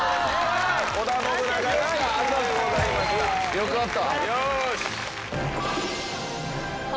よかった！